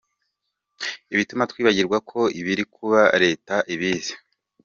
Ibi bituma twibwira ko ibiri kuba Leta ibizi”